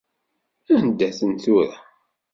Anda-ten tura?!